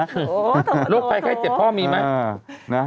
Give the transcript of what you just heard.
โถ่ะลูกใครเจ็บพ่อมีไหม